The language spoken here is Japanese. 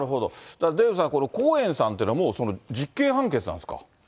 だからデーブさん、コーエンさんっていうのは、もうその実刑判決なんですか？